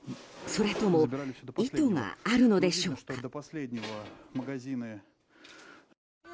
それとも意図があるのでしょうか？